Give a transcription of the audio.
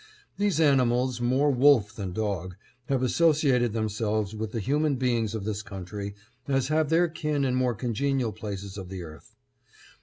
These animals, more wolf than dog, have associated themselves with the human beings of this country as have their kin in more congenial places of the earth.